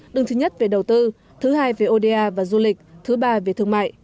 đường thứ nhất về đầu tư thứ hai về oda và du lịch thứ ba về thương mại